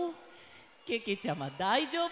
けけちゃまだいじょうぶ。